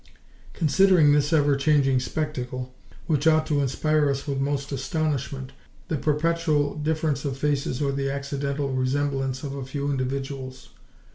Considering this ever changing spectacle, which ought to inspire us with most astonishment—the perpetual difference of faces or the accidental resemblance of a few individuals?